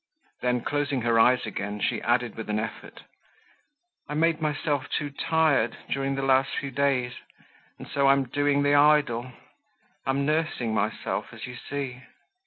Then, closing her eyes again, she added with an effort: "I made myself too tired during the last few days, and so I'm doing the idle; I'm nursing myself, as you see."